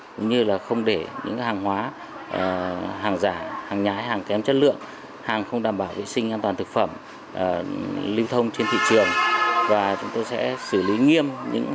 cũng như là không để những hàng hóa hàng giả hàng nhái hàng kém chất lượng hàng không đảm bảo vệ sinh an toàn thực phẩm